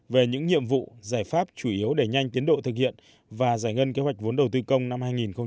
về những nhiệm vụ giải pháp chủ yếu để nhanh tiến độ thực hiện và giải ngân kế hoạch vốn đầu tư công năm hai nghìn hai mươi